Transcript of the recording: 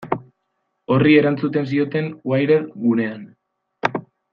Horri erantzun zioten Wired gunean.